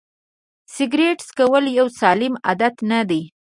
سیګرېټ څکول یو سالم عادت نه دی.